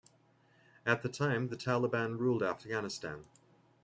At the time, the Taliban ruled Afghanistan.